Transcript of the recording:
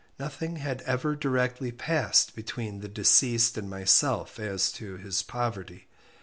Nothing had ever directly passed between the deceased and myself as to his poverty.